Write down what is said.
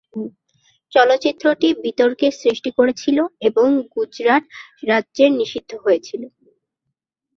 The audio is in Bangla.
চলচ্চিত্রটি বিতর্কের সৃষ্টি করেছিল এবং গুজরাট রাজ্যে নিষিদ্ধ হয়েছিল।